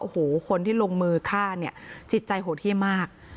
โอ้โหคนที่ลงมือข้าจิตใจโหที่มาก